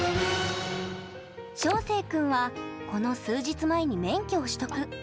翔星君はこの数日前に免許を取得。